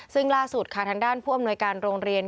ซึ่งล่าสุดค่ะทางด้านผู้อำนวยการโรงเรียน